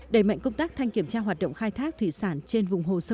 đẩy mạnh công tác thanh kiểm tra hoạt động khai thác thủy sản trên vùng hồ sơ